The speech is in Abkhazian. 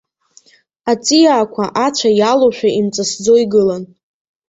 Аҵиаақәа ацәа иалоушәа, имҵысӡо игылан.